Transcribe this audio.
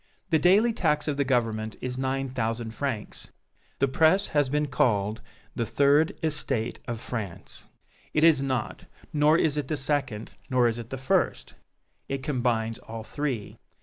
The daily tax of the Government is nine thousand francs. The press has been called the Third Estate of France. It is not! Nor is it the second nor is it the first! It combines all three.